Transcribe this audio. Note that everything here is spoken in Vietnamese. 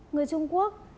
người trung quốc